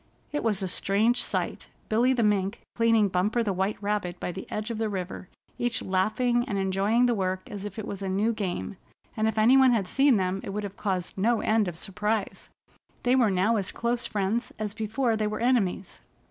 It was a strange sight, Billy the Mink cleaning Bumper the White Rabbit by the edge of the river, each laughing and enjoying the work as if it was a new game, and if any one had seen them it would have caused no end of surprise. They were now as close friends as before they were enemies.